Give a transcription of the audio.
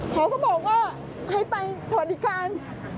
เขาก็บอกว่าให้ไปสวัสดิการ